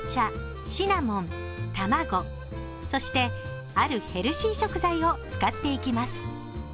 そしてあるヘルシー食材を使っていきます。